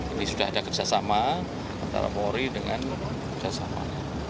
ini sudah ada kerjasama antara polri dengan kerjasama